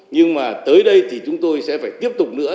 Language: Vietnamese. nhưng mà tới đây thì chúng tôi sẽ phải tiếp tục nữa